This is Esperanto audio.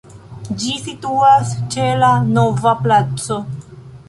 Ĝi situas ĉe la Nova Placo.